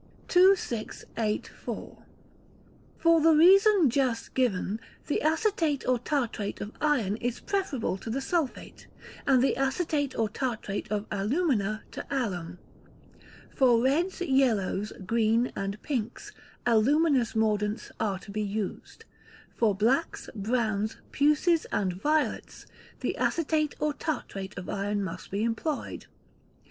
2684. The Mordants. For the reasons just given, the acetate or tartrate of iron is preferable to the sulphate; and the acetate or tartrate of alumina to alum. For reds, yellows, green, and pinks, aluminous mordants are to be used. For blacks, browns, puces, and violets, the acetate or tartrate of iron must be employed.